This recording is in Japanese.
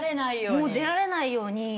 出られないように？